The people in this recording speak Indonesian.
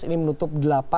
ini menutup delapan